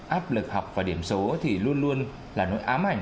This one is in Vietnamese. áp lực học và điểm số thì luôn luôn là nỗi ám ảnh